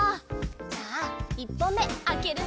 じゃあ１ぽんめあけるね。